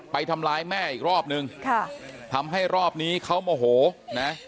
ไปทำร้ายแม่อีกรอบนึงค่ะทำให้รอบนี้เขาโมโหนะ